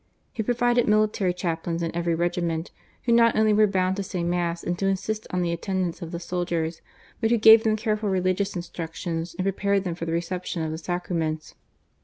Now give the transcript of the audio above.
He provided military chaplains to every regiment, who not only were bound to say Mass and to insist on the attend ance of the soldiers, but who gave them careful religious instruction and prepared them for the reception of the Sacraments.